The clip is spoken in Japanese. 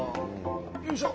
よいしょ。